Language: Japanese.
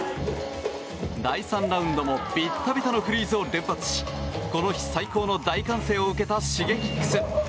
第３ラウンドもびったびたのフリーズを連発しこの日最高の大歓声を受けたＳｈｉｇｅｋｉｘ。